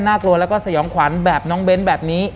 กลัวแล้วก็สยองขวัญแบบน้องเบ้นแบบนี้